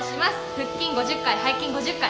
腹筋５０回背筋５０回。